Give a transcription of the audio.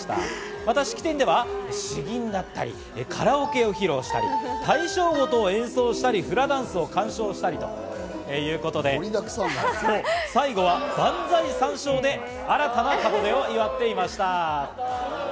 また式典では詩吟だったりカラオケを披露したり、大正琴を演奏したり、フラダンスを鑑賞したりと最後は万歳三唱で新たな門出を祝っていました。